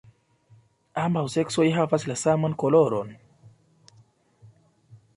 Ambaŭ seksoj havas la saman koloron.